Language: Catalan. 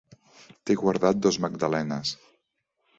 T’he guardat dos magdalenes.